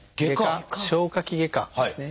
消化器外科ですね。